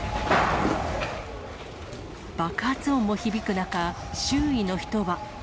爆発音も響く中、周囲の人は。